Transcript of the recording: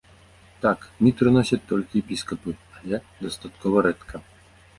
Так, мітры носяць толькі епіскапы, але дастаткова рэдка.